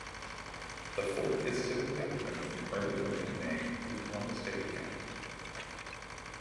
The fort is typically open from early or mid May through Columbus Day weekend.